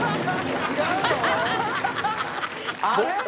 あれ？